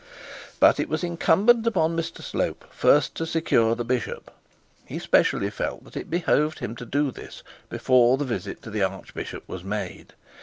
But it was in incumbent on Mr Slope first to secure the bishop. He specially felt that it behoved him to do this before the visit to the archbishop was made.